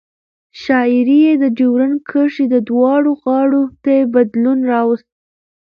شاعري یې د ډیورند کرښې دواړو غاړو ته بدلون راوست.